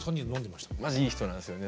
まじいい人なんですよね。